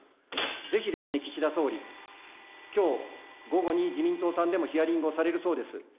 ぜひ、岸田総理、きょう、午後に自民党さんでもヒアリングをされるそうです。